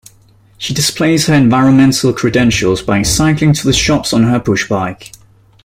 She displays her environmental credentials by cycling to the shops on her pushbike